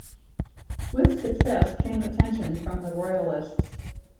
With success came attention from the Royalists.